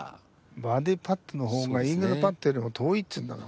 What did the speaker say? バーディパットの方がイーグルパットよりも遠いっていうんだからね。